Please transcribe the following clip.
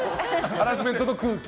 ハラスメントの空気。